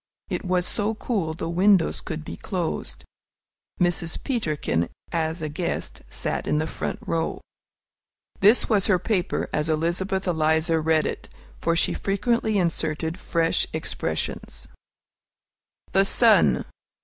It was so cool the windows could be closed. Mrs. Peterkin, as a guest, sat in the front row. This was her paper, as Elizabeth Eliza read it, for she frequently inserted fresh expressions: THE SUN.